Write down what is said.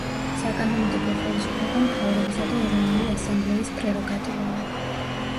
საკანონმდებლო ხელისუფლება მთავრობისა და ეროვნული ასამბლეის პრეროგატივაა.